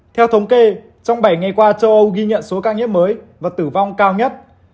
theo thống kê trong bảy ngày qua châu âu ghi nhận số ca nhiễm mới và tử vong cao nhất